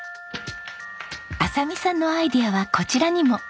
亜沙美さんのアイデアはこちらにも。